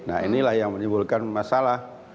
nah inilah yang menimbulkan masalah